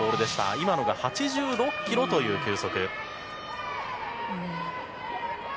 今のが８６キロという球速。